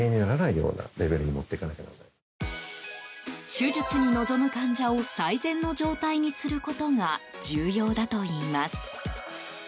手術に臨む患者を最善の状態にすることが重要だといいます。